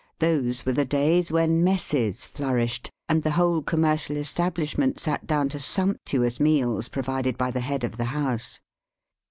Those were the days when " messes '* flourished, and the whole commercial establish ment sat down to sumptuous meals provided by the head of the house.